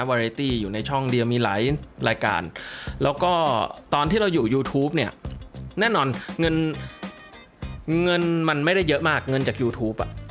เรตี้อยู่ในช่องเดียวมีหลายรายการแล้วก็ตอนที่เราอยู่ยูทูปเนี่ยแน่นอนเงินเงินมันไม่ได้เยอะมากเงินจากยูทูปอ่ะ